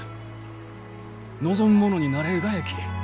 望む者になれるがやき！